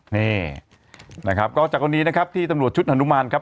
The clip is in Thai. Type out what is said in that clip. นี่นะครับก็จากกรณีนะครับที่ตำรวจชุดฮานุมานครับ